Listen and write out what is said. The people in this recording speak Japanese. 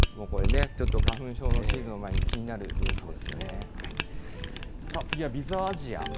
これね、ちょっと花粉症のシーズンを前に気になるニュースで次はビズアジア。